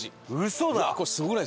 嘘だ！